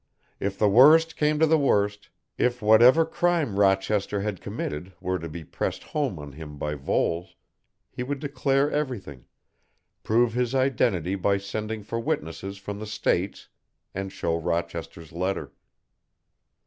If the worst came to the worst, if whatever crime Rochester had committed were to be pressed home on him by Voles, he would declare everything, prove his identity by sending for witnesses from the States, and show Rochester's letter.